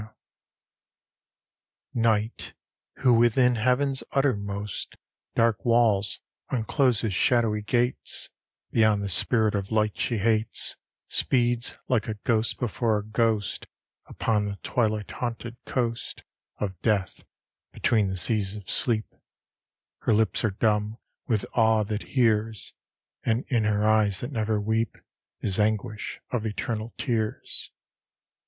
LI Night, who within heaven's uttermost Dark walls uncloses shadowy gates, Beyond the Spirit of Light she hates, Speeds like a ghost before a ghost Upon the twilight haunted coast Of death between the seas of sleep: Her lips are dumb with awe that hears; And in her eyes, that never weep, Is anguish of eternal tears.